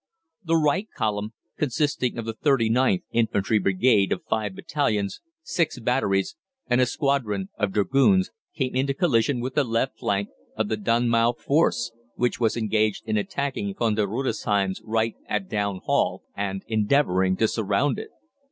The right column, consisting of the 39th Infantry Brigade of five battalions, six batteries, and a squadron of Dragoons, came into collision with the left flank of the Dunmow force, which was engaged in attacking Von der Rudesheim's right at Down Hall, and endeavouring to surround it.